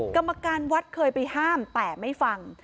กรรมการวัดเคยไปห้ามแต่ไม่ฟัง